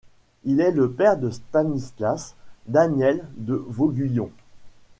Il est le père de Stanislas Daniel de Vauguyon.